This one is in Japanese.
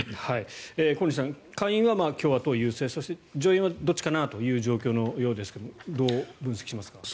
小西さん下院は共和党優勢そして上院はどっちかなという状況のようですがどう分析しますか。